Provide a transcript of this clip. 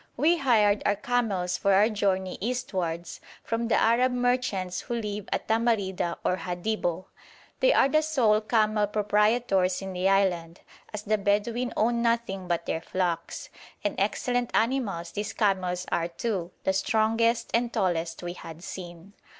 We hired our camels for our journey eastwards from the Arab merchants who live at Tamarida or Hadibo; they are the sole camel proprietors in the island, as the Bedouin own nothing but their flocks; and excellent animals these camels are, too, the strongest and tallest we had seen.